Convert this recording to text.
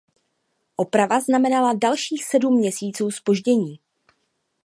Oprava znamenala dalších sedm měsíců zpoždění.